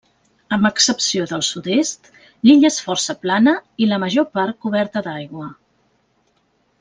Amb excepció del sud-est, l'illa és força plana i la major part coberta d'aigua.